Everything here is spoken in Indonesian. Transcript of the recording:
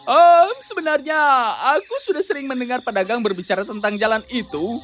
om sebenarnya aku sudah sering mendengar pedagang berbicara tentang jalan itu